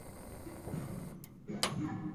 砂石狸藻为狸藻属小型一年生陆生食虫植物。